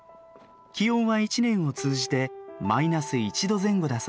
気温は一年を通じてマイナス１度前後だそうです。